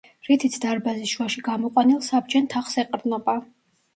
რითიც დარბაზის შუაში გამოყვანილ, საბჯენ თაღს ეყრდნობა.